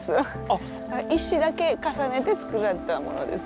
石だけ重ねて作られたものです。